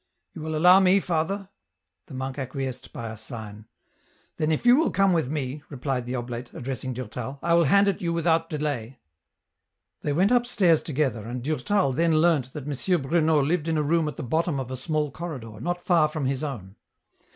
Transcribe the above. You will allow me, father ?..." The monk acquiesced by a sign. "Then if you will come with me," replied the oblate, addressing Durtal, " I will hand it you without delay." They went upstairs together, and Durtal then learnt that M. Bruno lived in a room at the bottom of a small corridor, not far from his own.